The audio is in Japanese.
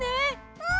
うん！